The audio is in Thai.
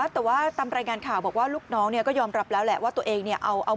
แต่ว่าตามรายงานข่าวบอกว่าลูกน้องก็ยอมรับแล้วแหละ